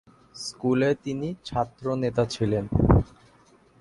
স্কুলে তিনি ছাত্র নেতা ছিলেন।